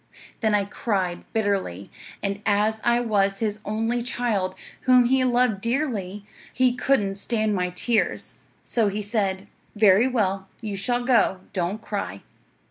Then I cried bitterly, and as I was his only child, whom he loved dearly, he couldn't stand my tears, so he said: "Very well; you shall go. Don't cry."